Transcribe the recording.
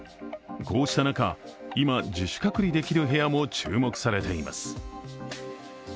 こうした中、今、自主隔離できる部屋も注目されています。